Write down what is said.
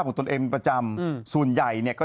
จังหรือเปล่าจังหรือเปล่า